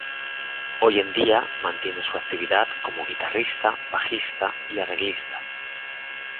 Hoy en día mantiene su actividad como guitarrista, bajista y arreglista.